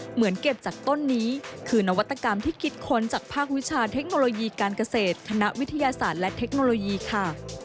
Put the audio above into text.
เหมือนเก็บจากต้นนี้คือนวัตกรรมที่คิดค้นจากภาควิชาเทคโนโลยีการเกษตรคณะวิทยาศาสตร์และเทคโนโลยีค่ะ